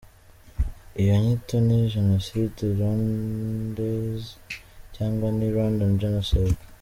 Iyo nyito ni genocide Rwandais cyangwa se Rwandan genocide.